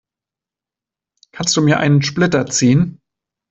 Kannst du mir einen Splitter ziehen?